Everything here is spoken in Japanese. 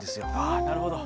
ああなるほど。